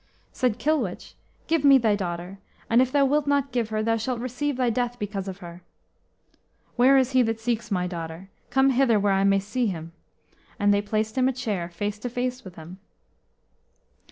Said Kilwich, "Give me thy daughter; and if thou wilt not give her, thou shalt receive thy death because of her." "Where is he that seeks my daughter? Come hither where I may see thee." And they placed him a chair face to face with him.